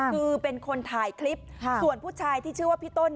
คือเป็นคนถ่ายคลิปส่วนผู้ชายที่ชื่อว่าพี่ต้น